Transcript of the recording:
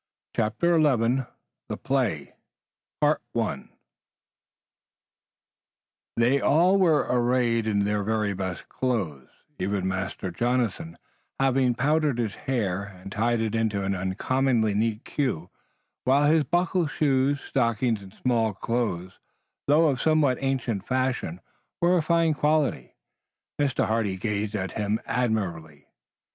CHAPTER XI THE PLAY They were all arrayed in their very best clothes, even Master Jonathan having powdered his hair, and tied it in an uncommonly neat queue, while his buckled shoes, stockings and small clothes, though of somewhat ancient fashion, were of fine quality. Mr. Hardy gazed at him admiringly.